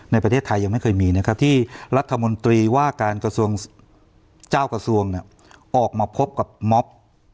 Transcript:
ในประเทศไทยยังไม่เคยมีนะครับที่รัฐมนตรีว่าการกระทรวงเจ้ากระทรวงออกมาพบกับม็อบ